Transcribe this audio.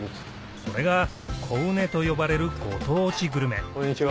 それがコウネと呼ばれるご当地グルメこんにちは。